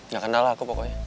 gak kenal aku pokoknya